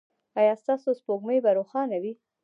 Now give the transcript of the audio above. ایا ستاسو سپوږمۍ به روښانه وي؟